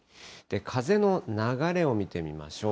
風の流れを見てみましょう。